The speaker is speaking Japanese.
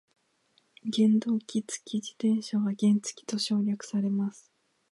原動機付き自転車は原付と省略されます。